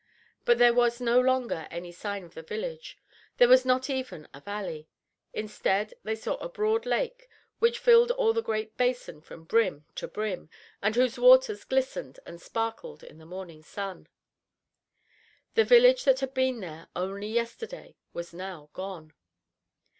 But there was no longer any sign of the village. There was not even a valley. Instead, they saw a broad lake which filled all the great basin from brim to brim, and whose waters glistened and sparkled in the morning sun. The village that had been there only yesterday was now gone!